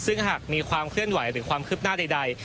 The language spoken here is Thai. ซึ่งหากมีความเคลื่อนไหวหรือความคืบหน้าใด